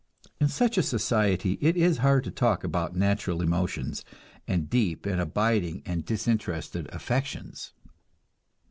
In such a society it is hard to talk about natural emotions, and deep and abiding and disinterested affections.